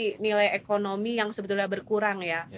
dari nilai ekonomi yang sebetulnya berkurang ya